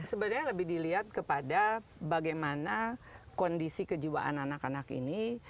sebenarnya lebih dilihat kepada bagaimana kondisi kejiwaan anak anak ini